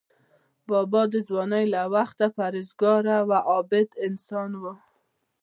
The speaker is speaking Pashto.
بابا د ځوانۍ له وخته پرهیزګار او عابد انسان و.